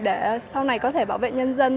để sau này có thể bảo vệ nhân dân